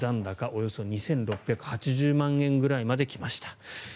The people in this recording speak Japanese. およそ２６８０万円ぐらいまで来ました。